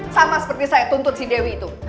sama seperti saya tuntut si dewi itu